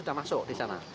sudah masuk di sana